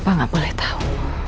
papa nggak boleh tahu